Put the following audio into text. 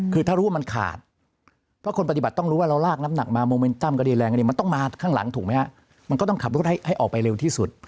เพราะคนปฏิบัติต้องรู้ว่าเราลากน้ำหนักมาโมเมนตัมกระดียร์แรงกระดียร์มันต้องมาข้างหลังถูกไหมคะมันก็ต้องขับรถให้ออกไปเร็วที่สุด